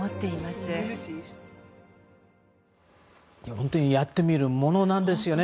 本当にやってみるものなんですよね。